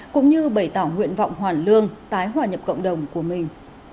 cũng như bày tỏ nguyện vọng hoàn lương tái hòa nhập cộng đồng của mình